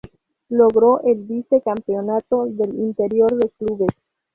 Logró el vice campeonato del Interior de clubes.